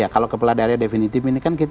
kalau kepala daerah definitif ini kan kita